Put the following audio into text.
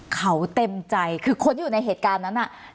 เขาเต็มใจคือคนที่อยู่ในเหตุการณ์นั้นน่ะ